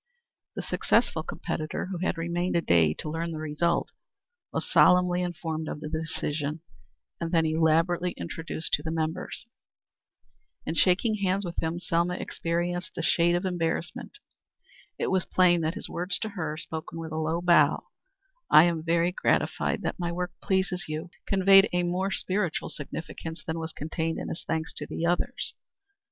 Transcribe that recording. The successful competitor, who had remained a day to learn the result, was solemnly informed of the decision, and then elaborately introduced to the members. In shaking hands with him, Selma experienced a shade of embarrassment. It was plain that his words to her, spoken with a low bow "I am very much gratified that my work pleases you" conveyed a more spiritual significance than was contained in his thanks to the others.